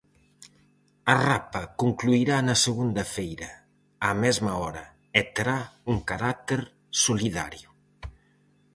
A rapa concluirá na segunda feira, á mesma hora, e terá un carácter solidario.